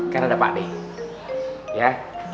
kalian dapat p a d